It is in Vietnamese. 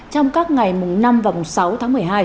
trong các ngày năm và sáu tháng một mươi hai